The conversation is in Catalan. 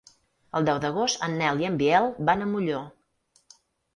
El deu d'agost en Nel i en Biel van a Molló.